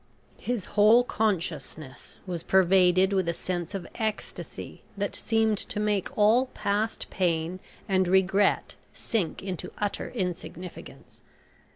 His whole consciousness was pervaded with a sense of ecstasy that seemed to make all past pain and regret sink into utter insignificance.